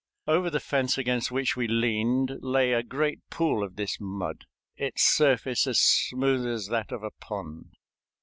Over the fence against which we leaned lay a great pool of this mud, its surface as smooth as that of a pond.